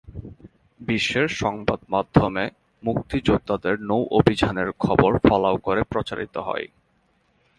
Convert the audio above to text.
বিশ্বের সংবাদমাধ্যমে মুক্তিযোদ্ধাদের নৌ-অভিযানের খবর ফলাও করে প্রচারিত হয়।